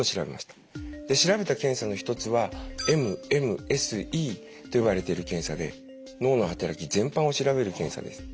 調べた検査の一つはＭＭＳＥと呼ばれている検査で脳の働き全般を調べる検査です。